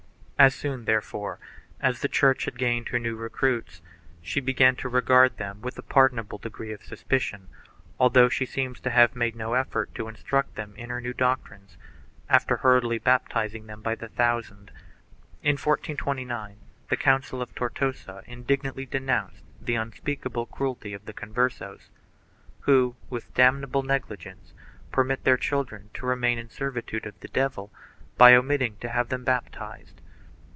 1 As soon, therefore, as the Church had gained her new recruits she began to regard them with a pardonable degree of suspicion, although she seems to have made no effort to instruct them in her doctrines after hurriedly baptizing them by the thousand. In 1429 the council of Tortosa indignantly denounced the unspeakable cruelty of the Converses who, with damnable negligence, permit their children to remain in servitude of the devil by omitting to have them baptized.